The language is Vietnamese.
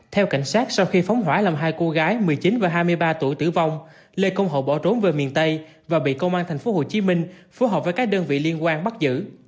theo cảnh sát sau khi phóng hỏa làm hai cô gái một mươi chín và hai mươi ba tuổi tử vong lê công hậu bỏ trốn về miền tây và bị công an tp hcm phối hợp với các đơn vị liên quan bắt giữ